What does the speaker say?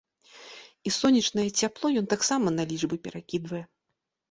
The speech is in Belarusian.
І сонечнае цяпло ён таксама на лічбы перакідвае.